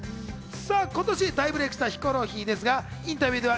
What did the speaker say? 今年、大ブレークしたヒコロヒーですが、インタビューでは